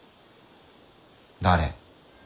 誰？